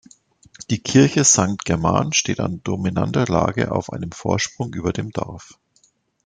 Die Kirche Sankt German steht an dominanter Lage auf einem Vorsprung über dem Dorf.